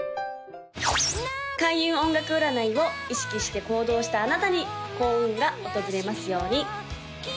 開運音楽占いを意識して行動したあなたに幸運が訪れますように！